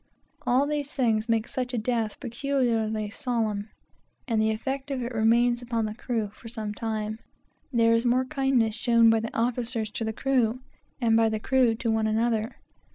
All these things make such a death peculiarly solemn, and the effect of it remains upon the crew for some time. There is more kindness shown by the officers to the crew, and by the crew to one another.